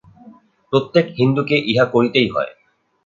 প্রত্যেক হিন্দুকে ইহা করিতেই হয়।